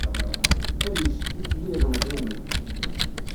Ad yeccetki fell-i yilemẓi-nni.